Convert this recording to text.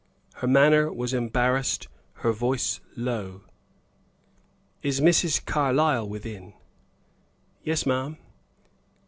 Her manner was embarrassed, her voice low. "Is Mrs. Carlyle within?" "Yes, ma'am."